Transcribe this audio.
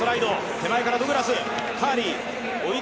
手前からドグラス。